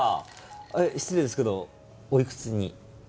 えっ失礼ですけどおいくつに？